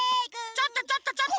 ちょっとちょっとちょっと！